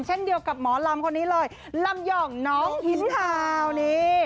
เช่นเดียวกับหมอลำคนนี้เลยลำหย่องน้องหินข่าวนี่